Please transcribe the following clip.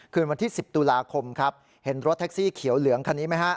คืนวันที่๑๐ตุลาคมครับเห็นรถแท็กซี่เขียวเหลืองคันนี้ไหมฮะ